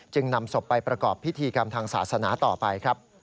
นำศพไปประกอบพิธีกรรมทางศาสนาต่อไปครับ